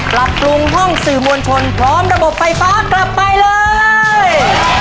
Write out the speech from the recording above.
ปรับปรุงห้องสื่อมวลชนพร้อมระบบไฟฟ้ากลับไปเลย